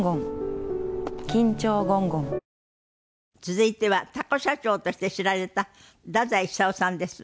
続いてはタコ社長として知られた太宰久雄さんです。